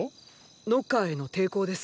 ノッカーへの抵抗です。